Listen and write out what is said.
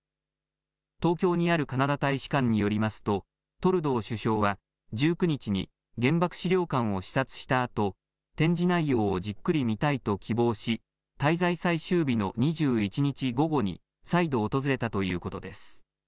東京にあるカナダ大使館によりますとトルドー首相は１９日に原爆資料館を視察したあと展示内容をじっくり見たいと希望し滞在最終日の２１日午後に再度、訪れたということです。